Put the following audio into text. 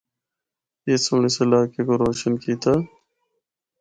اس سنڑ اس علاقے کو روشن کیتا۔